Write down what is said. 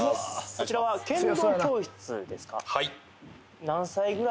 こちらは剣道教室ですか？